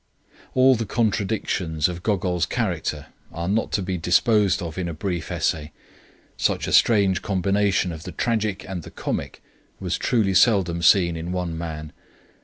All the contradictions of Gogol's character are not to be disposed of in a brief essay. Such a strange combination of the tragic and the comic was truly seldom seen in one man.